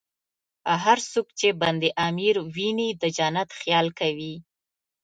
هر څوک چې بند امیر ویني، د جنت خیال کوي.